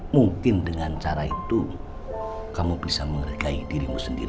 mungkin dengan cara itu kamu bisa menghargai dirimu sendiri